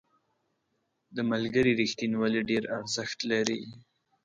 • د ملګري رښتینولي ډېر ارزښت لري.